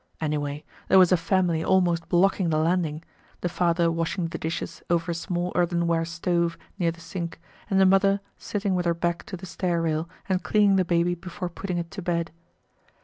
Anyway, there was a family almost blocking the landing: the father washing the dishes over a small earthenware stove near the sink and the mother sitting with her back to the stair rail and cleaning the baby before putting it to bed.